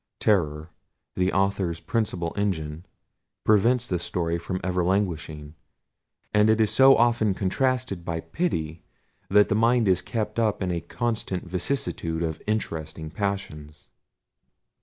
Terror, the author's principal engine, prevents the story from ever languishing; and it is so often contrasted by pity, that the mind is kept up in a constant vicissitude of interesting passions.